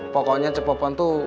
pokoknya cepopon tuh